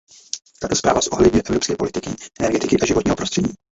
Tato zpráva zohledňuje evropské politiky energetiky a životního prostředí.